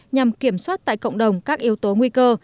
nhằm kiểm soát tại cộng đồng các yếu tố nguy cơ